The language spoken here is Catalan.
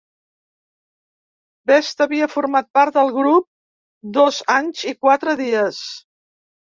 Best havia format part del grup dos anys i quatre dies.